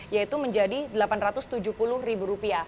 yaitu menjadi rp delapan ratus tujuh puluh